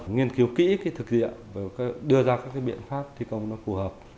nghiên cứu kỹ cái thực diện và đưa ra các cái biện pháp thi công nó phù hợp